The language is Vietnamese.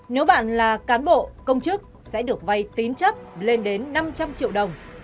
nếu bạn là cán bộ công chức sẽ được vay tín chấp lên đến năm trăm linh triệu đồng